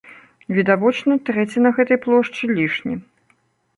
Відавочна, трэці на гэтай плошчы лішні.